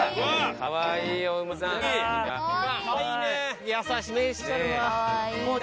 かわいいね！